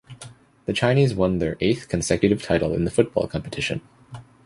The Chinese won their eighth consecutive title in the football competition.